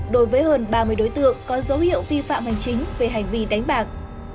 đối với hơn ba mươi đối tượng có dấu hiệu vi phạm hành chính về hành vi đánh bạc